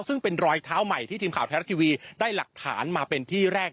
ซึ่งเป็นรอยเท้าใหม่ที่ทีมข่าวไทยรัฐทีวีได้หลักฐานมาเป็นที่แรก